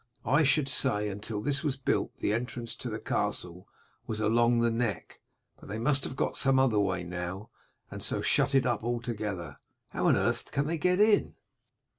I should say until this was built the entrance to the castle was along the neck, but they must have got some other way now, and so shut it up altogether. How on earth can they get in?"